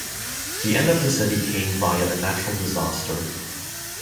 The end of the city came via a natural disaster.